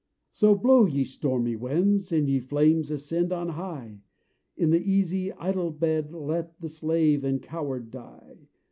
"So blow, ye stormy winds And, ye flames, ascend on high; In the easy, idle bed Let the slave and coward die!